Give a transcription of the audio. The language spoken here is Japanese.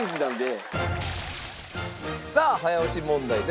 さあ早押し問題です。